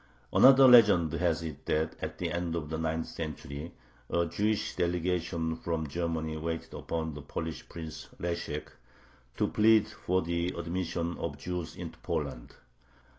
Another legend has it that at the end of the ninth century a Jewish delegation from Germany waited upon the Polish Prince Leshek, to plead for the admission of Jews into Poland.